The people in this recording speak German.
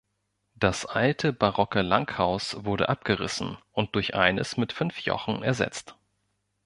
Das alte barocke Langhaus wurde abgerissen und durch eines mit fünf Jochen ersetzt.